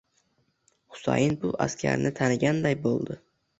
Husayin bu askarni taniganday bo'ldi.